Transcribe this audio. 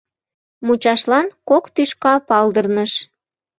Мучашлан кок тӱшка палдырныш.